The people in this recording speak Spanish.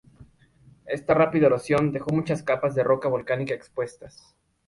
Esta rápida erosión dejó muchas capas de roca volcánica expuestas.